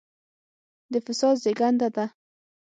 د فساد زېږنده ده.